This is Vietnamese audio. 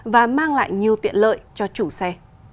và mang lại nhiều tiện lợi cho chủ xe